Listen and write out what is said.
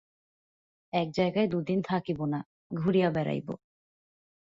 এক জায়গায় দুদিন থাকিব না–ঘুরিয়া বেড়াইব।